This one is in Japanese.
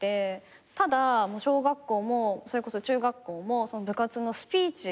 ただ小学校もそれこそ中学校も部活のスピーチ。